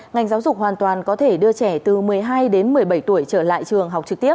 ngành giáo dục hoàn toàn có thể đưa trẻ từ một mươi hai đến một mươi bảy tuổi trở lại trường